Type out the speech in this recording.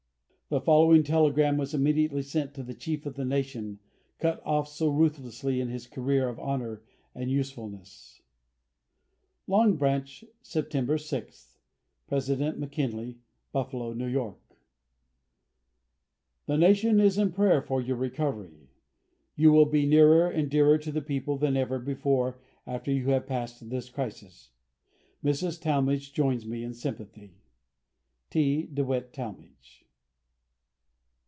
The following telegram was immediately sent to the Chief of the Nation, cut off so ruthlessly in his career of honour and usefulness: "Long Branch, September 6th. "President McKinley, Buffalo, N.Y. "The Nation is in prayer for your recovery. You will be nearer and dearer to the people than ever before after you have passed this crisis. Mrs. Talmage joins me in sympathy. "T. DEWITT TALMAGE."